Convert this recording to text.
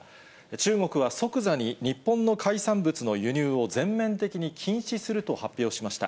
中国は即座に日本の海産物の輸入を全面的に禁止すると発表しました。